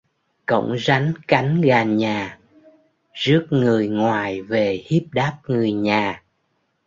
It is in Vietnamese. Cõng rắn cắn gà nhà: rước người ngoài về hiếp đáp người nhà